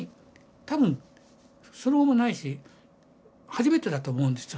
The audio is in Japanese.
多分その後もないし初めてだと思うんですよ